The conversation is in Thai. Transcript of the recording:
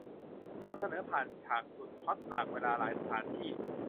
นำเสนอผ่านฉากสุดฮอตหลากเวลาหลายสถานที่